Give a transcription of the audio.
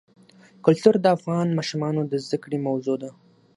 کلتور د افغان ماشومانو د زده کړې موضوع ده.